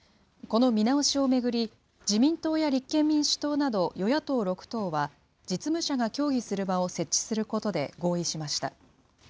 この見直しを巡り、自民党や立憲民主党など与野党６党は、実務者が協議する場を設置することで合意しました。